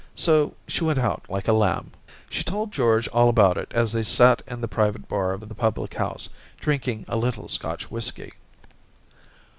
So she went out like a lamb. ... She told George all about it as they sat in the private bar of the public house, drinking a little Scotch whisky.